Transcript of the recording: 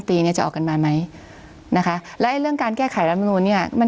ทำไมตอนนั้นไม่ออกมา